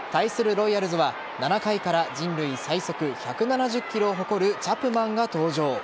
ロイヤルズは７回から人類最速１７０キロを誇るチャプマンが登場。